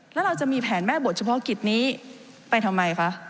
แล้วเราจะมีแผนแม่บทเฉพาะกิจนี้ไปทำไมคะ